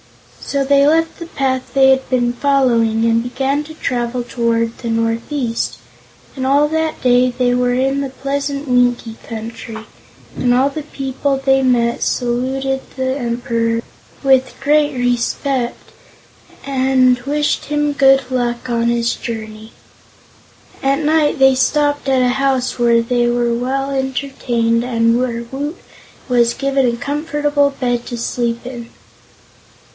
So they left the path they had been following and began to travel toward the northeast, and all that day they were in the pleasant Winkie Country, and all the people they met saluted the Emperor with great respect and wished him good luck on his journey. At night they stopped at a house where they were well entertained and where Woot was given a comfortable bed to sleep in.